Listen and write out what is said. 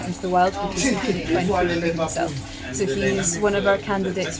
jadi dia adalah salah satu pilihan untuk menangkap turki